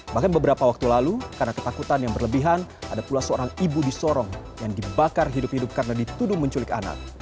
bahkan beberapa waktu lalu karena ketakutan yang berlebihan ada pula seorang ibu di sorong yang dibakar hidup hidup karena dituduh menculik anak